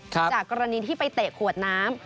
จากกรณีที่ไปเตะขวดน้ำ